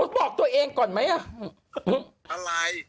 บอกตัวเองก่อนไหม